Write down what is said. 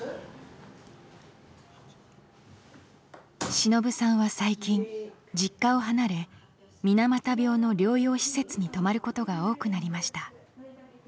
しのぶさんは最近実家を離れ水俣病の療養施設に泊まることが多くなりました。